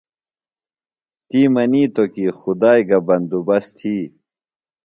تی منِیتوۡ کی خدائی گہ بندوبست تھی۔